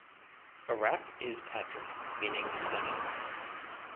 Arap is patronym meaning "son of".